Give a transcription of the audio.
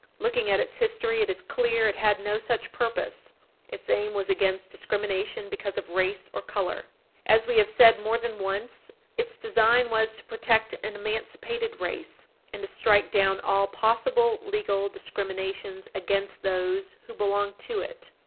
Looking at its history, it is clear it had no such purpose. Its aim was against discrimination because of race or color. As we have said more than once, its design was to protect an emancipated race, and to strike down all possible legal discriminations against those who belong to it.